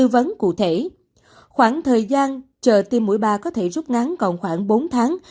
vẫn cụ thể khoảng thời gian chờ tiêm mũi ba có thể rút ngắn còn khoảng bốn tháng